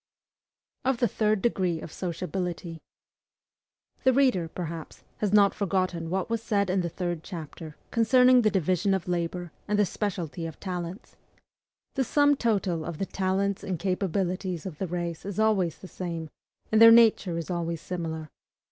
% 3. Of the third degree of Sociability. The reader, perhaps, has not forgotten what was said in the third chapter concerning the division of labor and the speciality of talents. The sum total of the talents and capacities of the race is always the same, and their nature is always similar.